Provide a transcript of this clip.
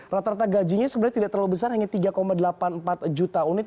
rata rata gajinya sebenarnya tidak terlalu besar hanya tiga delapan puluh empat juta unit